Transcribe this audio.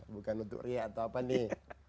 bukan untuk ria atau apa nih